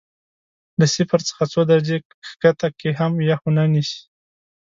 له صفر څخه څو درجې ښکته کې هم یخ ونه نیسي.